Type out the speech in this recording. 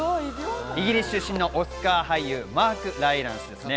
イギリス出身のオスカー俳優、マーク・ライランスです。